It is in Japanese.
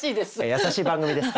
優しい番組ですから。